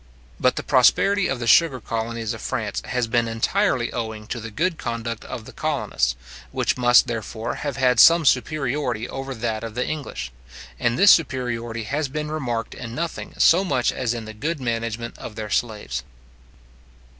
But the prosperity of the sugar colonies of France has been entirely owing to the good conduct of the colonists, which must therefore have had some superiority over that of the English; and this superiority has been remarked in nothing so much as in the good management of their slaves.